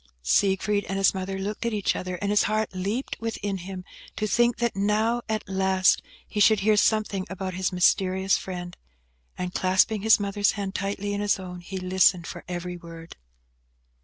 Siegfried and his mother looked at each other, and his heart leapt within him, to think that now, at last, he should hear something about his mysterious friend; and, clasping his mother's hand tightly in his own, he listened for every word.